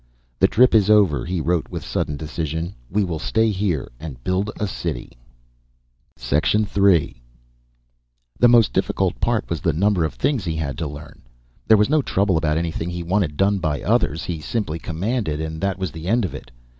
"The trip is over," he wrote with sudden decision. "We will stay here, and build a city." III The most difficult part was the number of things that he had to learn. There was no trouble about anything he wanted done by others; he simply commanded, and that was the end of it.